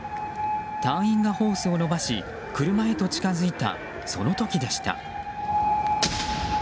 隊員がホースを伸ばし車へと近づいた、その時でした。